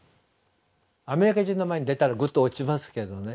アメリカ人の前に出たらグッと落ちますけどね